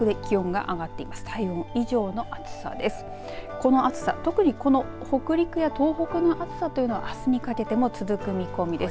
この暑さ、この北陸や東北の暑さというのはあすにかけても続く見込みです。